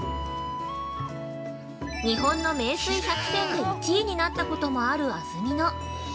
日本の名水百選で１位になったこともある安曇野。